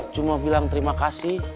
cuma bilang terima kasih